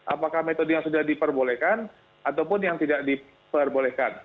apakah metode yang sudah diperbolehkan ataupun yang tidak diperbolehkan